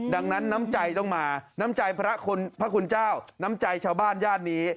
ดังนั้นน้ำใจต้องมาน้ำใจพระคุณเจ้าน้ำใจชาวบ้านย่านนี้